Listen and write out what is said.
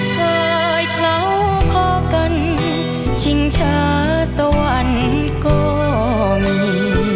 เฮ้ยเท่าพอกันชิงชาสวรรค์ก็มี